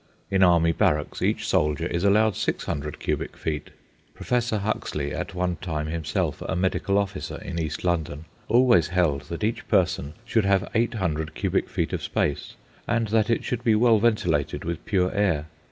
In army barracks each soldier is allowed 600 cubic feet. Professor Huxley, at one time himself a medical officer in East London, always held that each person should have 800 cubic feet of space, and that it should be well ventilated with pure air.